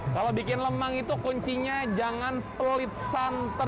kalo bikin lemang itu kuncinya jangan pelit santen